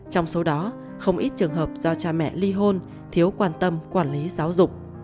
trong số đó không ít trường hợp do cha mẹ ly hôn thiếu quan tâm quản lý giáo dục